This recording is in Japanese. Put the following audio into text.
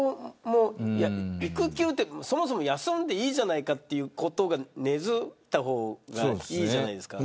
育休はそもそも休んでいいじゃないかということが根づいた方がいいじゃないですか。